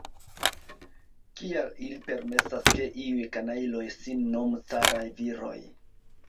Kial ili permesas, ke iuj kanajloj sin nomu caraj viroj?